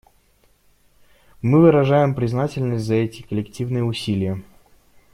Мы выражаем признательность за эти коллективные усилия.